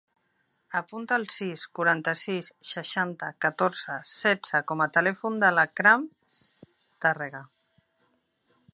Apunta el sis, quaranta-sis, seixanta, catorze, setze com a telèfon de l'Akram Tarrega.